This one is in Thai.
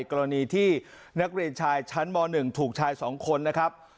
กรณีที่นักเรียนชายชั้นม๑ถูกชาย๒คนนะครับ